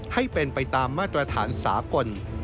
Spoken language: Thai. ให้เป็นไปตามมาตรฐานสากล